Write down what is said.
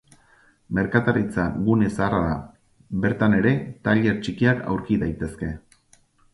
Merkataritza gune zaharra da; bertan ere tailer txikiak aurki daitezke.